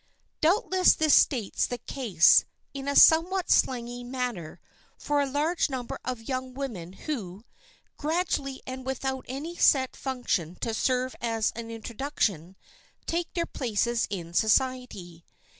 Doubtless this states the case, in a somewhat slangy manner, for a large number of young women who, gradually and without any set function to serve as introduction, take their places in society.